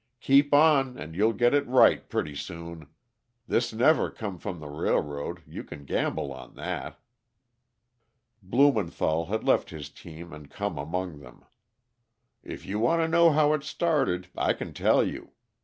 "Keep on, and you'll get it right pretty soon. This never come from the railroad; you can gamble on that." Blumenthall had left his team and come among them. "If you want to know how it started, I can tell you.